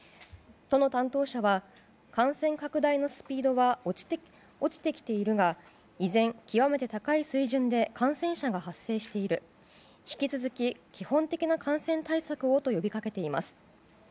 都の担当者は感染拡大のスピードは落ちてきているが依然、極めて高い水準で感染者が発生している引き続き、基本的な感染対策をと呼びかけています。